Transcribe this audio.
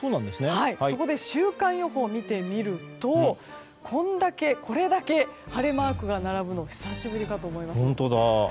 そこで、週間予報を見てみるとこれだけ晴れマークが並ぶの久しぶりかと思います。